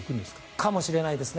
かもしれないですね。